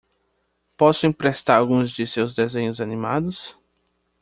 Posso emprestar alguns de seus desenhos animados?